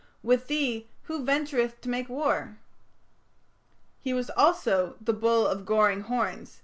With thee who ventureth to make war? He was also "the bull of goring horns